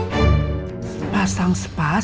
warna nyatanya sepasang sepasang